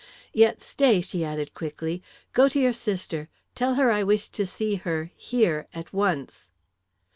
"Yet stay," she added quickly. "Go to your sister. Tell her I wish to see her here at once."